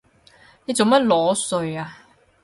你做乜裸睡啊？